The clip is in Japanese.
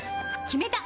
決めた！